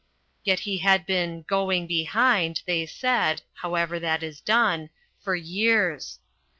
Yet he had been "going behind," they said (however that is done), for years.